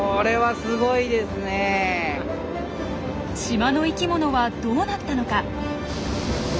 島の生きものはどうなったのか？